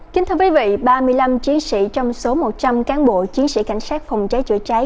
kính thưa quý vị ba mươi năm chiến sĩ trong số một trăm linh cán bộ chiến sĩ cảnh sát phòng cháy chữa cháy